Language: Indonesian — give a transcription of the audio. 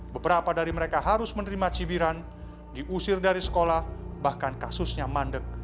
beberapa dari mereka harus menerima cibiran diusir dari sekolah bahkan kasusnya mandek